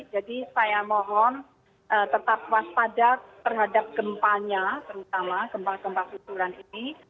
jadi saya mohon tetap waspada terhadap gempanya terutama gempa gempa susulan ini